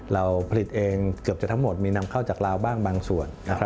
เราผลิตเองเกือบจะทั้งหมดมีนำเข้าจากลาวบ้างบางส่วน